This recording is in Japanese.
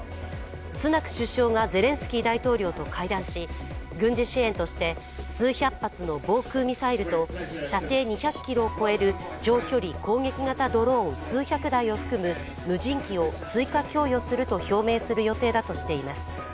スナク首相がゼレンスキー大統領と会談し軍事支援として、数百発の防空ミサイルと射程２００ｋｍを超える長距離攻撃型ドローン数百台を含む無人機を追加供与すると表明する予定だとしています。